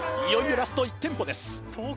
いよいよラスト１店舗です。